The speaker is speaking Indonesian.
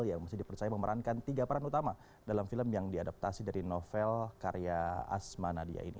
yang mesti dipercaya memerankan tiga peran utama dalam film yang diadaptasi dari novel karya asma nadia ini